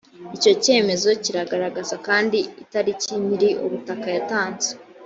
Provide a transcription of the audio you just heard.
icyo cyemezo kigaragaza kandi itariki nyir ‘ubutaka yatanze.